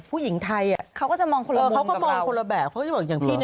ผู้หญิงไทยเขาก็จะมองคนละมุมกับเรา